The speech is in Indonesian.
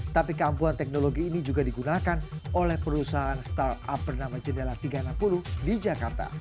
tapi keampuhan teknologi ini juga digunakan oleh perusahaan startup bernama jendela tiga ratus enam puluh di jakarta